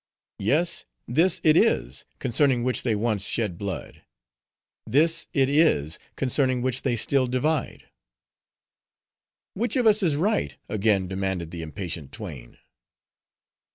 Yes; this it is, concerning which they once shed blood. This it is, concerning which they still divide." "Which of us is right?" again demanded the impatient twain.